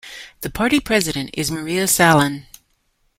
The party president is Maria Sahlin.